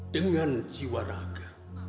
dengan jiwa raga